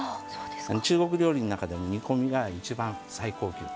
中国料理の中でも煮込み料理が最高級。